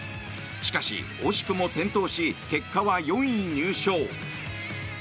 しかし、惜しくも転倒し結果は４位入賞。